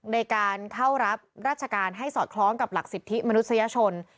ในการเข้ารับราชการให้สอดคล้องกับหลักสิทธิมนุษยชน